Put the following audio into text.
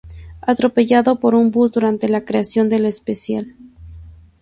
Atropellado por un bus durante la creación del especial.